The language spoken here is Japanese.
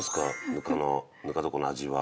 ぬかのぬか床の味は。